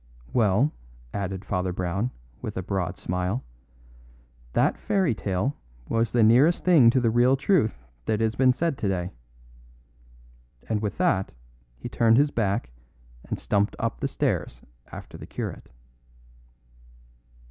"Well," added Father Brown, with a broad smile, "that fairy tale was the nearest thing to the real truth that has been said today." And with that he turned his back and stumped up the steps after the curate.